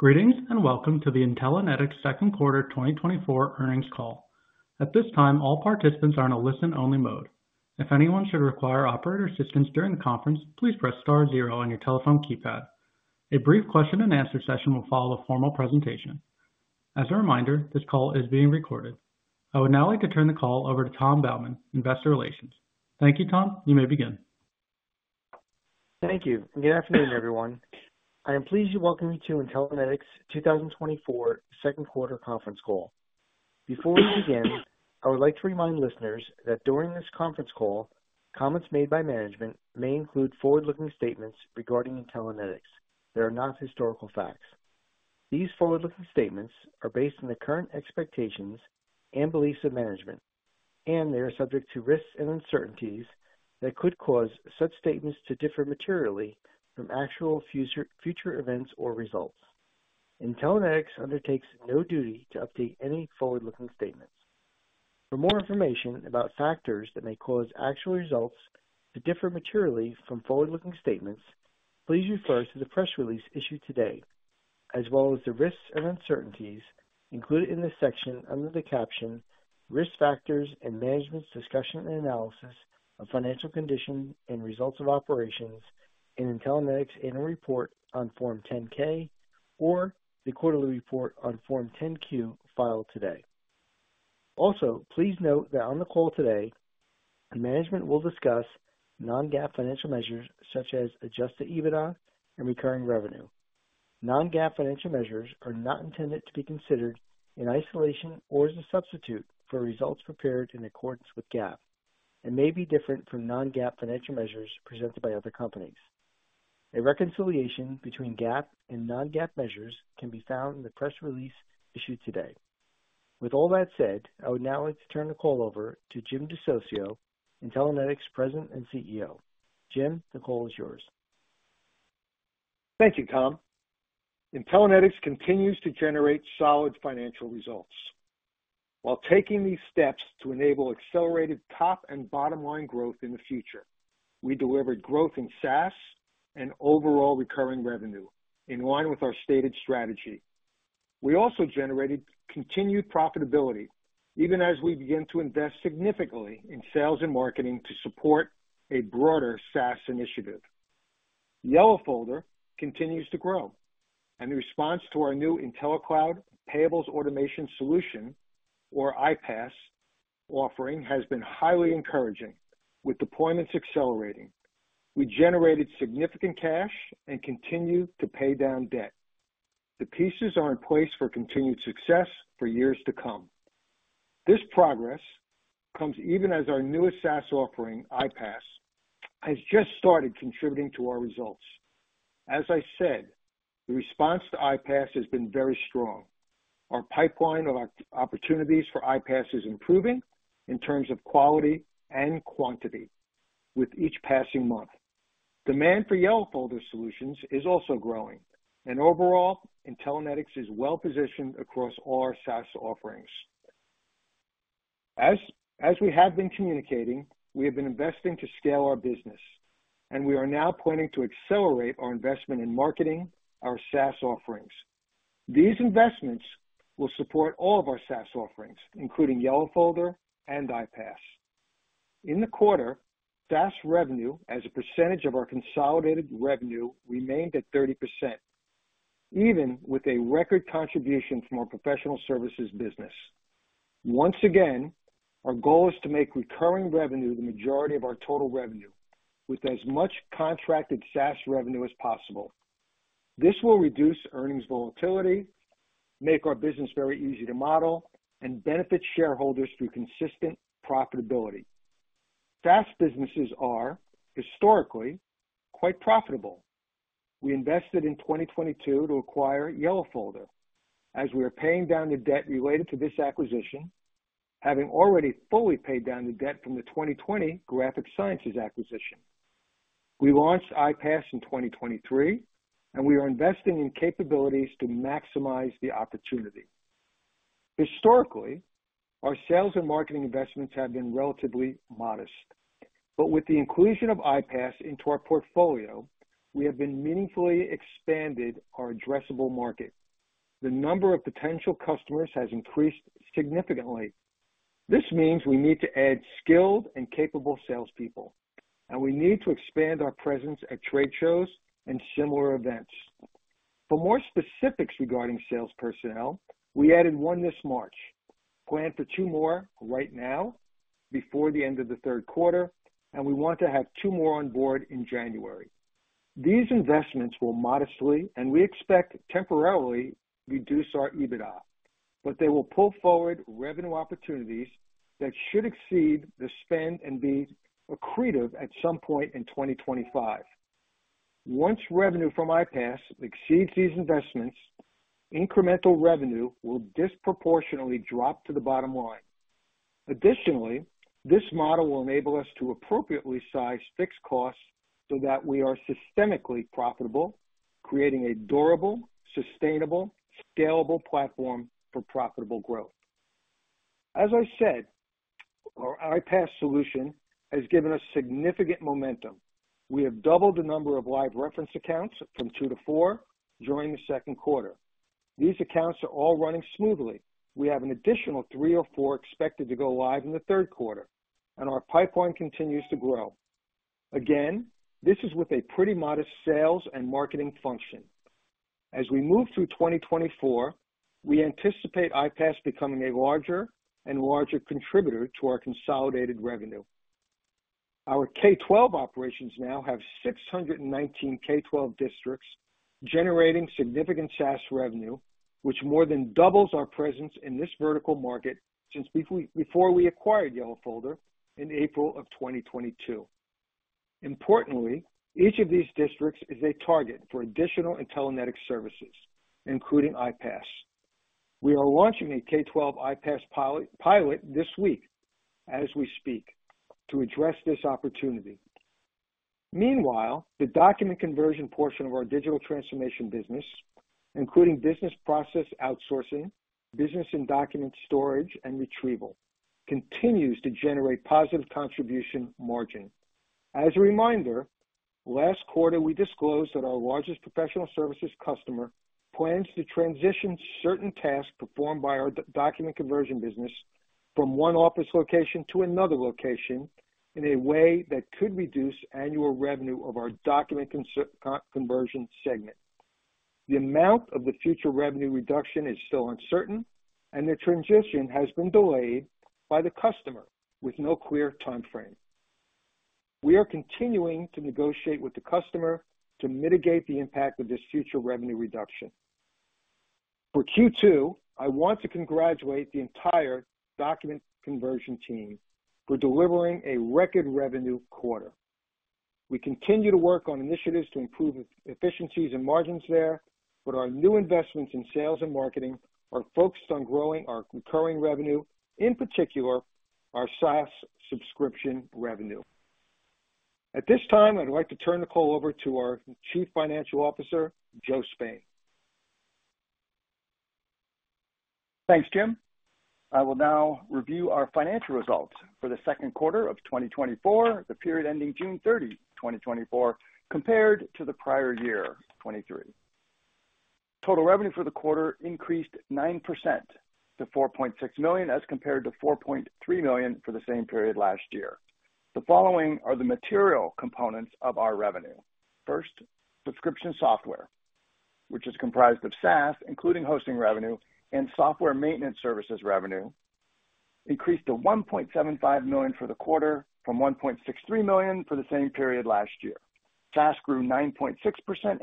...Greetings, and welcome to the Intellinetics Second Quarter 2024 Earnings Call. At this time, all participants are in a listen-only mode. If anyone should require operator assistance during the conference, please press star zero on your telephone keypad. A brief question-and-answer session will follow a formal presentation. As a reminder, this call is being recorded. I would now like to turn the call over to Tom Baumann, Investor Relations. Thank you, Tom. You may begin. Thank you, and good afternoon, everyone. I am pleased to welcome you to Intellinetics 2024 second quarter conference call. Before we begin, I would like to remind listeners that during this conference call, comments made by management may include forward-looking statements regarding Intellinetics that are not historical facts. These forward-looking statements are based on the current expectations and beliefs of management, and they are subject to risks and uncertainties that could cause such statements to differ materially from actual future, future events or results. Intellinetics undertakes no duty to update any forward-looking statements. For more information about factors that may cause actual results to differ materially from forward-looking statements, please refer to the press release issued today, as well as the risks and uncertainties included in this section under the caption Risk Factors and Management's Discussion and Analysis of Financial Condition and Results of Operations in Intellinetics Annual Report on Form 10-K or the quarterly report on Form 10-Q filed today. Also, please note that on the call today, the management will discuss non-GAAP financial measures such as Adjusted EBITDA and recurring Revenue. Non-GAAP financial measures are not intended to be considered in isolation or as a substitute for results prepared in accordance with GAAP and may be different from non-GAAP financial measures presented by other companies. A reconciliation between GAAP and non-GAAP measures can be found in the press release issued today. With all that said, I would now like to turn the call over to Jim DeSocio, Intellinetics President and CEO. Jim, the call is yours. Thank you, Tom. Intellinetics continues to generate solid financial results. While taking these steps to enable accelerated top and bottom line growth in the future, we delivered growth in SaaS and overall recurring revenue in line with our stated strategy. We also generated continued profitability, even as we begin to invest significantly in sales and marketing to support a broader SaaS initiative. Yellow Folder continues to grow, and the response to our new IntelliCloud Payables Automation Solution, or IPAS offering, has been highly encouraging. With deployments accelerating, we generated significant cash and continued to pay down debt. The pieces are in place for continued success for years to come. This progress comes even as our newest SaaS offering, IPAS, has just started contributing to our results. As I said, the response to IPAS has been very strong. Our pipeline of opportunities for IPAS is improving in terms of quality and quantity with each passing month. Demand for Yellow Folder solutions is also growing, and overall, Intellinetics is well positioned across all our SaaS offerings. As we have been communicating, we have been investing to scale our business, and we are now planning to accelerate our investment in marketing our SaaS offerings. These investments will support all of our SaaS offerings, including Yellow Folder and IPAS. In the quarter, SaaS revenue as a percentage of our consolidated revenue remained at 30%, even with a record contribution from our professional services business. Once again, our goal is to make recurring revenue the majority of our total revenue, with as much contracted SaaS revenue as possible. This will reduce earnings volatility, make our business very easy to model, and benefit shareholders through consistent profitability. SaaS businesses are historically quite profitable. We invested in 2022 to acquire Yellow Folder as we are paying down the debt related to this acquisition, having already fully paid down the debt from the 2020 Graphic Sciences acquisition. We launched IPAS in 2023, and we are investing in capabilities to maximize the opportunity. Historically, our sales and marketing investments have been relatively modest, but with the inclusion of IPAS into our portfolio, we have been meaningfully expanded our addressable market. The number of potential customers has increased significantly. This means we need to add skilled and capable salespeople, and we need to expand our presence at trade shows and similar events. For more specifics regarding sales personnel, we added one this March. Plan for two more right now, before the end of the third quarter, and we want to have two more on board in January. These investments will modestly, and we expect temporarily, reduce our EBITDA, but they will pull forward revenue opportunities that should exceed the spend and be accretive at some point in 2025. Once revenue from IPAS exceeds these investments, incremental revenue will disproportionately drop to the bottom line. Additionally, this model will enable us to appropriately size fixed costs so that we are systemically profitable, creating a durable, sustainable, scalable platform for profitable growth... As I said, our IPAS solution has given us significant momentum. We have doubled the number of live reference accounts from two to four during the second quarter. These accounts are all running smoothly. We have an additional three or four expected to go live in the third quarter, and our pipeline continues to grow. Again, this is with a pretty modest sales and marketing function. As we move through 2024, we anticipate IPAS becoming a larger and larger contributor to our consolidated revenue. Our K-12 operations now have 619 K-12 districts, generating significant SaaS revenue, which more than doubles our presence in this vertical market since before we acquired Yellow Folder in April of 2022. Importantly, each of these districts is a target for additional Intellinetics services, including IPAS. We are launching a K-12 IPAS pilot this week, as we speak, to address this opportunity. Meanwhile, the document conversion portion of our digital transformation business, including business process outsourcing, business and document storage and retrieval, continues to generate positive contribution margin. As a reminder, last quarter, we disclosed that our largest professional services customer plans to transition certain tasks performed by our document conversion business from one office location to another location in a way that could reduce annual revenue of our document conversion segment. The amount of the future revenue reduction is still uncertain, and the transition has been delayed by the customer with no clear timeframe. We are continuing to negotiate with the customer to mitigate the impact of this future revenue reduction. For Q2, I want to congratulate the entire document conversion team for delivering a record revenue quarter. We continue to work on initiatives to improve efficiencies and margins there, but our new investments in sales and marketing are focused on growing our recurring revenue, in particular, our SaaS subscription revenue. At this time, I'd like to turn the call over to our Chief Financial Officer, Joe Spain. Thanks, Jim. I will now review our financial results for the second quarter of 2024, the period ending June 30th, 2024, compared to the prior year, 2023. Total revenue for the quarter increased 9% to $4.6 million, as compared to $4.3 million for the same period last year. The following are the material components of our revenue. First, subscription software, which is comprised of SaaS, including hosting revenue and software maintenance services revenue, increased to $1.75 million for the quarter from $1.63 million for the same period last year. SaaS grew 9.6%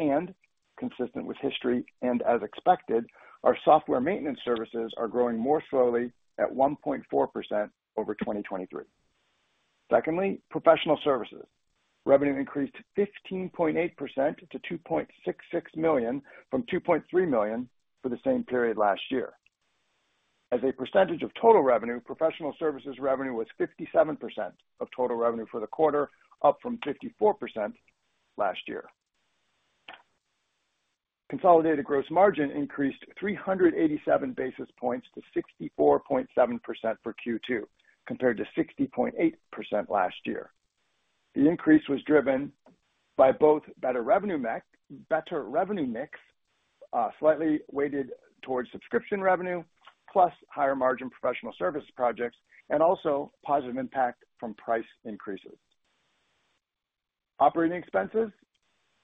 and consistent with history, and as expected, our software maintenance services are growing more slowly at 1.4% over 2023. Secondly, professional services. Revenue increased 15.8% to $2.66 million from $2.3 million for the same period last year. As a percentage of total revenue, professional services revenue was 57% of total revenue for the quarter, up from 54% last year. Consolidated gross margin increased 387 basis points to 64.7% for Q2, compared to 60.8% last year. The increase was driven by both better revenue mix, better revenue mix, slightly weighted towards subscription revenue, plus higher margin professional services projects, and also positive impact from price increases. Operating expenses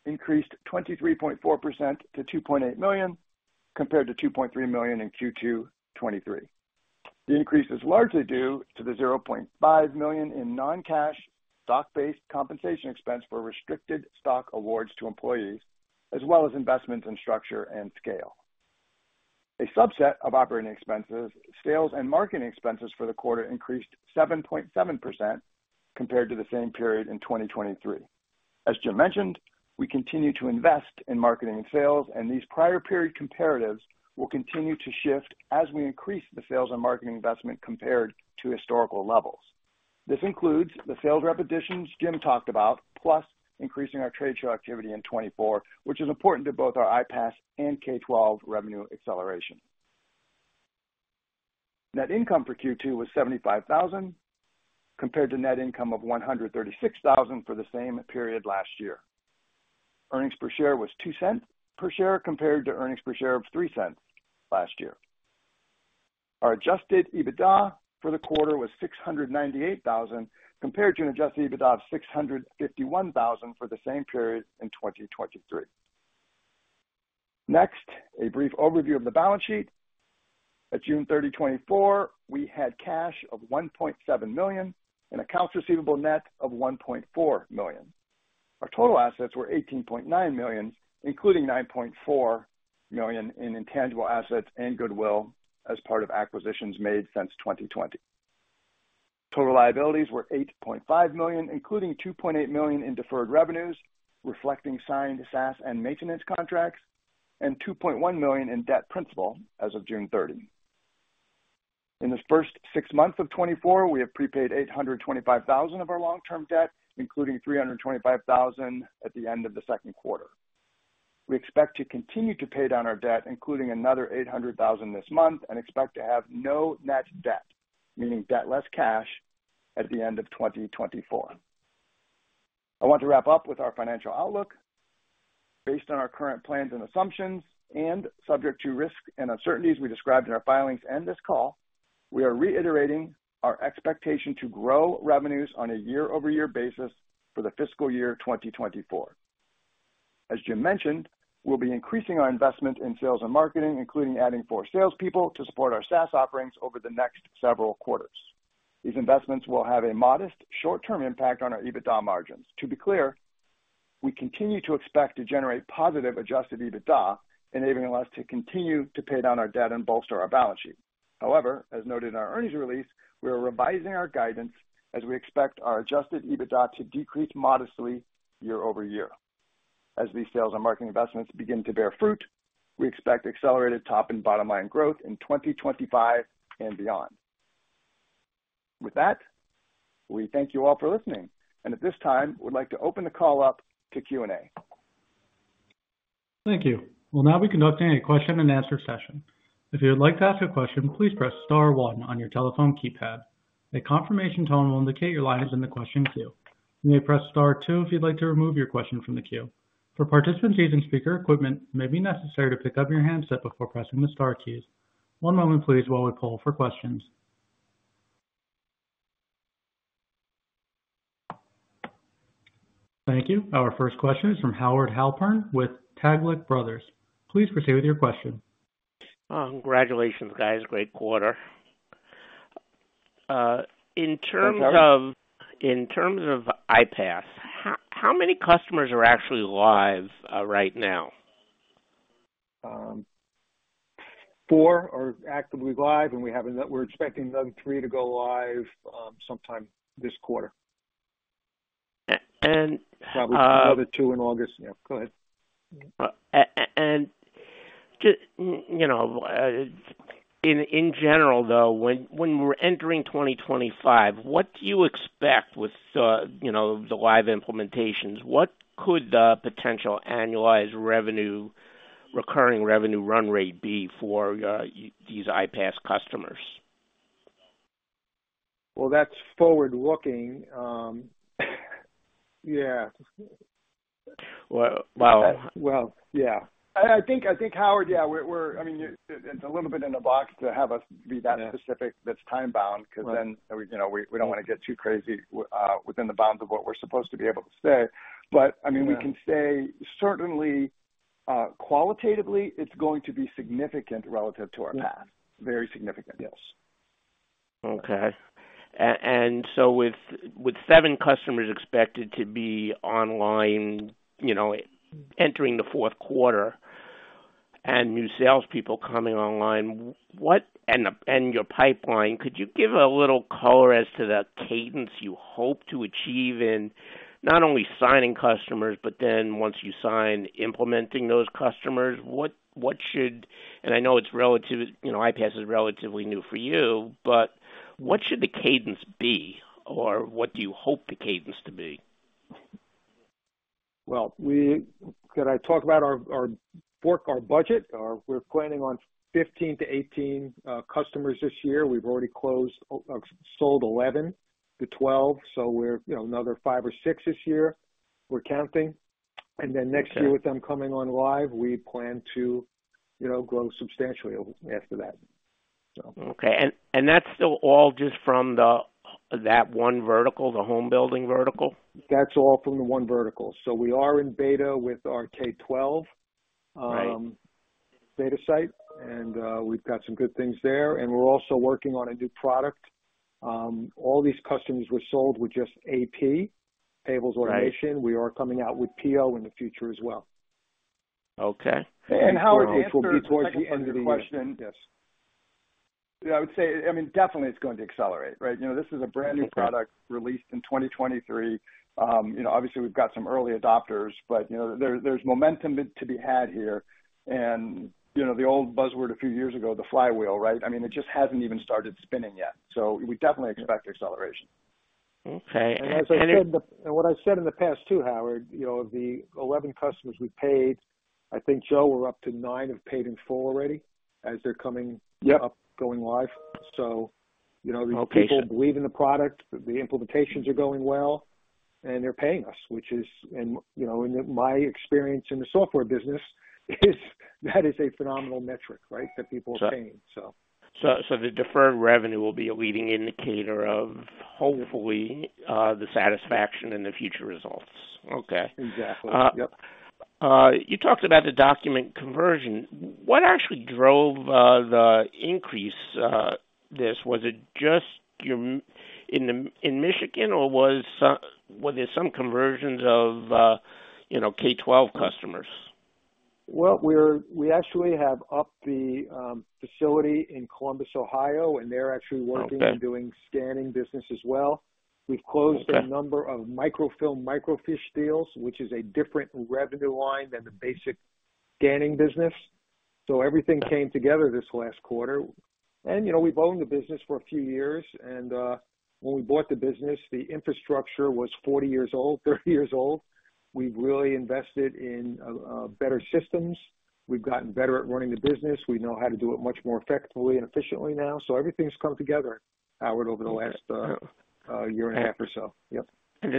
increased 23.4% to $2.8 million, compared to $2.3 million in Q2 2023. The increase is largely due to the $0.5 million in non-cash stock-based compensation expense for restricted stock awards to employees, as well as investments in structure and scale. A subset of operating expenses, sales and marketing expenses for the quarter increased 7.7% compared to the same period in 2023. As Jim mentioned, we continue to invest in marketing and sales, and these prior period comparables will continue to shift as we increase the sales and marketing investment compared to historical levels. This includes the sales rep additions Jim talked about, plus increasing our trade show activity in 2024, which is important to both our IPAS and K-12 revenue acceleration. Net income for Q2 was $75,000, compared to net income of $136,000 for the same period last year. Earnings per share was $0.02 per share, compared to earnings per share of $0.03 last year. Our Adjusted EBITDA for the quarter was $698,000, compared to an Adjusted EBITDA of $651,000 for the same period in 2023. Next, a brief overview of the balance sheet. At June 30, 2024, we had cash of $1.7 million and accounts receivable net of $1.4 million. Our total assets were $18.9 million, including $9.4 million in intangible assets and goodwill as part of acquisitions made since 2020. Total liabilities were $8.5 million, including $2.8 million in deferred revenues, reflecting signed SaaS and maintenance contracts, and $2.1 million in debt principal as of June 30. In this first six months of 2024, we have prepaid $825,000 of our long-term debt, including $325,000 at the end of the second quarter. We expect to continue to pay down our debt, including another $800,000 this month, and expect to have no net debt, meaning debt less cash at the end of 2024. I want to wrap up with our financial outlook. Based on our current plans and assumptions, and subject to risks and uncertainties we described in our filings and this call, we are reiterating our expectation to grow revenues on a year-over-year basis for the fiscal year 2024. As Jim mentioned, we'll be increasing our investment in sales and marketing, including adding four salespeople to support our SaaS offerings over the next several quarters. These investments will have a modest short-term impact on our EBITDA margins. To be clear, we continue to expect to generate positive Adjusted EBITDA, enabling us to continue to pay down our debt and bolster our balance sheet. However, as noted in our earnings release, we are revising our guidance as we expect our Adjusted EBITDA to decrease modestly year-over-year. As these sales and marketing investments begin to bear fruit, we expect accelerated top and bottom line growth in 2025 and beyond. With that, we thank you all for listening, and at this time, we'd like to open the call up to Q&A. Thank you. We'll now be conducting a question-and-answer session. If you would like to ask a question, please press star one on your telephone keypad. A confirmation tone will indicate your line is in the question queue. You may press star two if you'd like to remove your question from the queue. For participants using speaker equipment, it may be necessary to pick up your handset before pressing the star keys. One moment, please, while we poll for questions. Thank you. Our first question is from Howard Halpern with Taglich Brothers. Please proceed with your question. Congratulations, guys. Great quarter. In terms of- Thanks, Howard. In terms of IPAS, how many customers are actually live right now? Four are actively live, and we have another. We're expecting another three to go live sometime this quarter. A-and, uh- Probably another two in August. Yeah, go ahead. Just, you know, in general, though, when we're entering 2025, what do you expect with, you know, the live implementations? What could the potential annualized revenue, recurring revenue run rate be for these IPAS customers? Well, that's forward-looking. Yeah. Well, wow. Well, yeah. I think, Howard, yeah, we're... I mean, it's a little bit in the box to have us be that specific- Yeah. -that's time-bound- Right. Because then, you know, we, we don't want to get too crazy within the bounds of what we're supposed to be able to say. Yeah. I mean, we can say certainly, qualitatively, it's going to be significant relative to our path. Yeah. Very significant. Yes. Okay. And so with seven customers expected to be online, you know, entering the fourth quarter and new salespeople coming online, what—and your pipeline, could you give a little color as to the cadence you hope to achieve in not only signing customers, but then once you sign, implementing those customers? What should—and I know it's relative, you know, IPAS is relatively new for you, but what should the cadence be, or what do you hope the cadence to be? Well, did I talk about our fourth budget? We're planning on 15-18 customers this year. We've already closed sold 11-12, so we're, you know, another 5 or 6 this year, we're counting. Okay. And then next year, with them coming on live, we plan to, you know, grow substantially after that, so. Okay. And that's still all just from the, that one vertical, the home building vertical? That's all from the one vertical. So we are in beta with our K-12- Right. Beta site, and we've got some good things there, and we're also working on a new product. All these customers were sold with just AP, payables automation. Right. We are coming out with PO in the future as well. Okay. Howard, to answer the second part of your question- Before we towards the end of the year. Yes. Yeah, I would say, I mean, definitely it's going to accelerate, right? You know, this is a brand new- Okay. Product released in 2023. You know, obviously, we've got some early adopters, but, you know, there, there's momentum to be had here. You know, the old buzzword a few years ago, the flywheel, right? I mean, it just hasn't even started spinning yet. So we definitely expect acceleration. Okay, and- And as I said, and what I said in the past, too, Howard, you know, the 11 customers we paid, I think, Joe, we're up to 9, have paid in full already as they're coming- Yep. going live. So, you know- Okay. The people believe in the product, the implementations are going well, and they're paying us, which is, and, you know, in my experience in the software business, is that is a phenomenal metric, right? Right. That people are paying, so. So the deferred revenue will be a leading indicator of, hopefully, the satisfaction and the future results. Okay. Exactly. Uh. Yep. You talked about the document conversion. What actually drove the increase this? Was it just in Michigan, or were there some conversions of, you know, K-12 customers? Well, we actually have upped the facility in Columbus, Ohio, and they're actually working- Okay. on doing scanning business as well. Okay. We've closed a number of microfilm, microfiche deals, which is a different revenue line than the basic scanning business. So everything came together this last quarter. And, you know, we've owned the business for a few years, and when we bought the business, the infrastructure was 40 years old, 30 years old. We've really invested in better systems. We've gotten better at running the business. We know how to do it much more effectively and efficiently now. So everything's come together, Howard, over the last year and a half or so. Yep. Does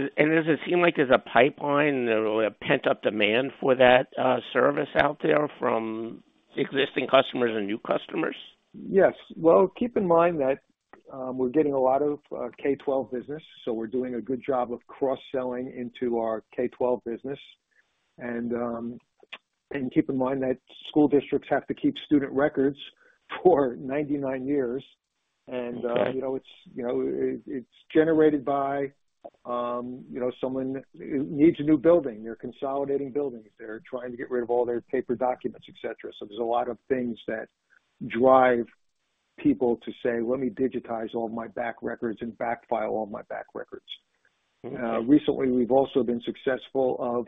it seem like there's a pipeline or a pent-up demand for that service out there from existing customers and new customers? Yes. Well, keep in mind that, we're getting a lot of K-12 business, so we're doing a good job of cross-selling into our K-12 business. And, and keep in mind that school districts have to keep student records for 99 years. Okay. And, you know, it's, you know, it, it's generated by, you know, someone needs a new building. They're consolidating buildings. They're trying to get rid of all their paper documents, et cetera. So there's a lot of things that drive people to say, "Let me digitize all my back records and backfile all my back records. Mm-hmm. Recently, we've also been successful of,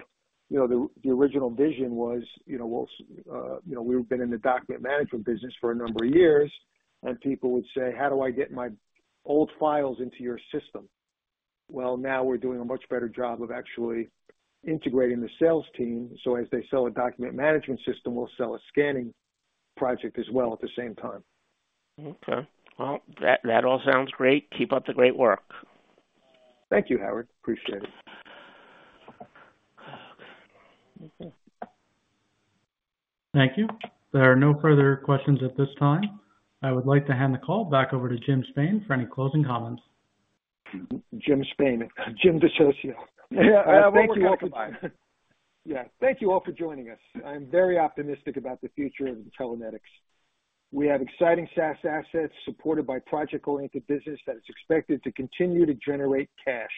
you know, the original vision was, you know, we've been in the document management business for a number of years, and people would say, "How do I get my old files into your system?" Well, now we're doing a much better job of actually integrating the sales team, so as they sell a document management system, we'll sell a scanning project as well at the same time. Okay. Well, that, that all sounds great. Keep up the great work. Thank you, Howard. Appreciate it. Thank you. There are no further questions at this time. I would like to hand the call back over to Jim Spain for any closing comments. Jim Spain, Jim DeSocio. Yeah, well, we're welcome by. Yeah. Thank you all for joining us. I'm very optimistic about the future of Intellinetics. We have exciting SaaS assets supported by project-oriented business that is expected to continue to generate cash.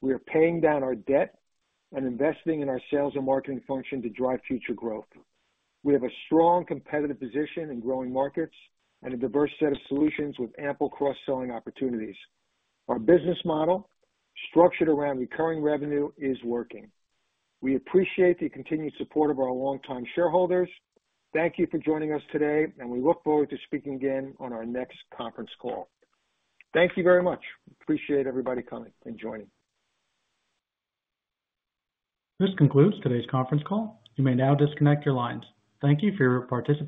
We are paying down our debt and investing in our sales and marketing function to drive future growth. We have a strong competitive position in growing markets and a diverse set of solutions with ample cross-selling opportunities. Our business model, structured around recurring revenue, is working. We appreciate the continued support of our longtime shareholders. Thank you for joining us today, and we look forward to speaking again on our next conference call. Thank you very much. Appreciate everybody coming and joining. This concludes today's conference call. You may now disconnect your lines. Thank you for your participation.